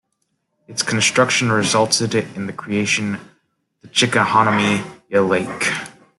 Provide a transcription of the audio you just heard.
Its construction resulted in the creation of the Chickahominy Lake.